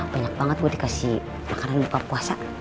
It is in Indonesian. banyak banget gue dikasih makanan buka puasa